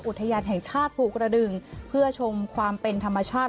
อุทยานแห่งชาติภูกระดึงเพื่อชมความเป็นธรรมชาติ